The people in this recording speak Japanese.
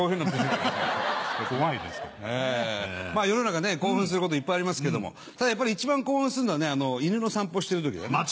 世の中興奮することいっぱいありますけどもただやっぱり一番興奮するのは犬の散歩してる時だね。